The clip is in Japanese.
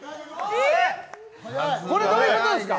これ、どういうことですか？